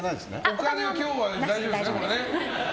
お金は今日は大丈夫です。